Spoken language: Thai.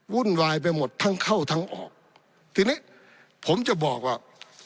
วุ่นวายไปหมดทั้งเข้าทั้งออกทีนี้ผมจะบอกว่า